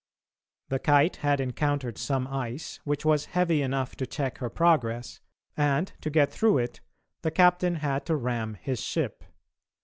The Kite had encountered some ice which was heavy enough to check her progress, and, to get through it, the captain had to ram his ship.